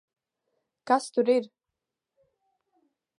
Kas tur ir?